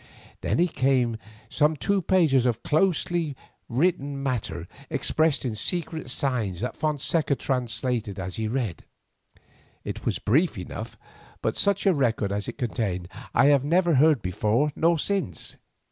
Then came some two pages of closely written matter, expressed in secret signs that Fonseca translated as he read. It was brief enough, but such a record as it contained I have never heard before nor since.